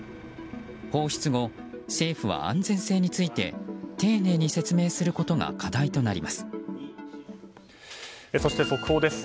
放出後、政府は安全性について丁寧に説明することがそして速報です。